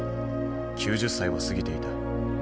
９０歳を過ぎていた。